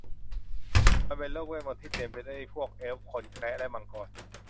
มันเป็นโลกเวทมนต์ที่เต็มไปด้วยพวกเอลฟ์ คนแคระและมังกร